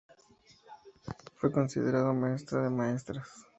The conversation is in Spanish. Fue considerada maestra de maestras.